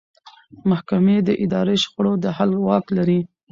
محکمې د اداري شخړو د حل واک لري.